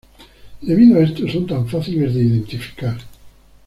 Debido a esto, son tan fáciles de identificar.